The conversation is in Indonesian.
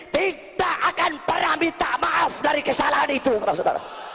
kita akan pernah minta maaf dari kesalahan itu pernah saudara